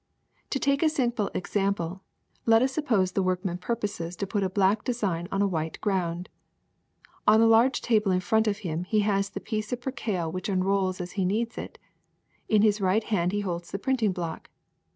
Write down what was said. ^'To take a simple example, let us suppose the workman proposes to put a black design on a white ground. On a large table in front of him he has the piece of percale which unrolls as he needs it; in his right hand he holds the printing block.